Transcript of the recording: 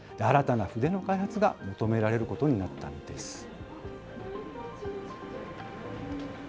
新たな筆の開発が求められることになったんです。